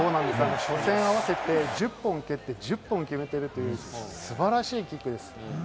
初戦合わせて１０本蹴って１０本決めているという素晴らしいキックです。